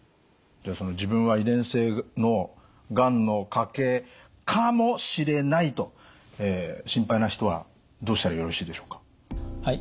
じゃあその自分は遺伝性のがんの家系かもしれないと心配な人はどうしたらよろしいでしょうか？